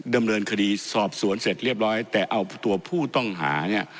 ดำเนินคดีสอบสวนเสร็จเรียบร้อยแต่เอาตัวผู้ต้องหาเนี่ย